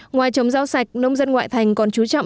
ngoài trồng rau sạch nông dân ngoại thành còn chú trọng